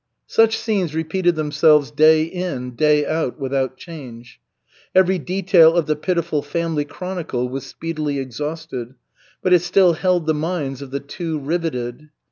Such scenes repeated themselves day in, day out, without change. Every detail of the pitiful family chronicle was speedily exhausted, but it still held the minds of the two riveted.